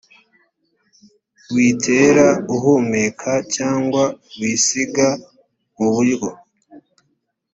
witera uhumeka cyangwa wisiga mu buryo